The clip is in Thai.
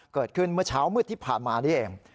เกิดขึ้นเมื่อเช้ามืดที่ผ่านมานี่เอง